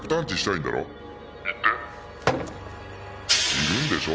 「いるんでしょ？